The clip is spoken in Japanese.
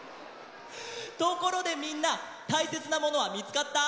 ところでみんなたいせつなものはみつかった？